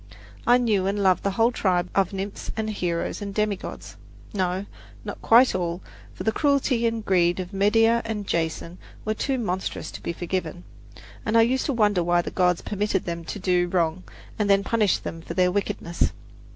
I knew and loved the whole tribe of nymphs and heroes and demigods no, not quite all, for the cruelty and greed of Medea and Jason were too monstrous to be forgiven, and I used to wonder why the gods permitted them to do wrong and then punished them for their wickedness.